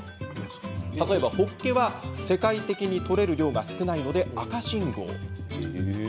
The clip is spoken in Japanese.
例えば、ホッケは世界的に取れる量が少ないので赤信号。